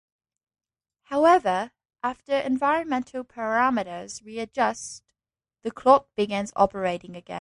However, after environmental parameters readjust, the clock begins operating again.